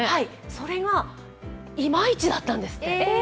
それが、いまいちだったんですって。